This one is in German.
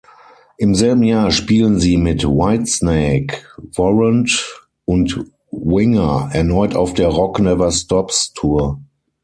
Im selben Jahr spielen sie mit Whitesnake, Warrant und Winger erneut auf der "Rock-Never-Stops"-Tour.